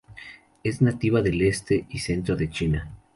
Es nativa del este y centro de China.